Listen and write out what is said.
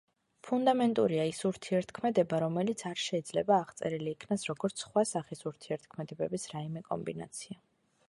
ფუნდამენტურია ის ურთიერთქმედება, რომელიც არ შეიძლება აღწერილი იქნას როგორც სხვა სახის ურთიერთქმედებების რაიმე კომბინაცია.